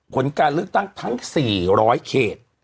ผลการเลือกตั้งทั้ง๔๐๐เขต